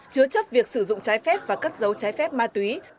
chứa chấp việc sử dụng trái phép và cất dấu trái phép ma túy